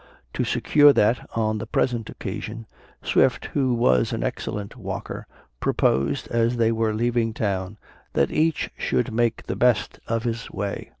To secure that, on the present occasion, Swift, who was an excellent walker, proposed, as they were leaving town, that each should make the best of his way.